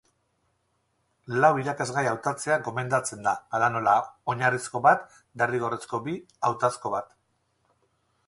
Lau irakasgai hautatzea gomendatzen da, hala nola, oinarrizko bat, derrigorrezko bi, hautazko bat.